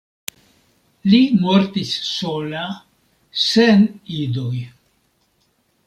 Li mortis sola sen idoj.